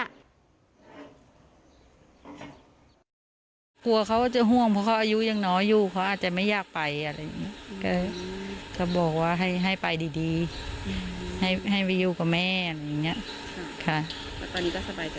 นี่ค่ะพี่ดำเขาก็มาทำหน้าที่นะคะมาช่วยพระท่านก็ในการที่จะให้ร่างของผู้วัยชนเนี่ยเผาให้หมด